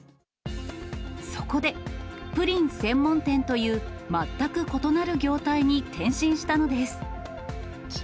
そこで、プリン専門店という全く異なる業態に転身したのです。